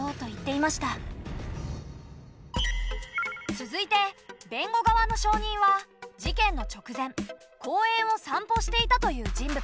続いて弁護側の証人は事件の直前公園を散歩していたという人物。